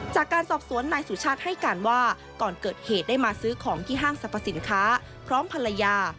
จากการสอบสวนนายสุชาติให้การว่าก่อนเกิดเหตุได้มาซื้อของที่ห้างสรรพสินค้าพร้อมภรรยา